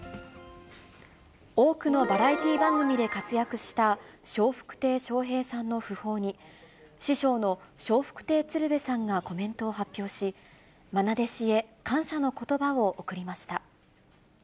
多くのバラエティー番組で活躍した、笑福亭笑瓶さんの訃報に、師匠の笑福亭鶴瓶さんがコメントを発表し、まな弟子へ感謝のことばを贈りました。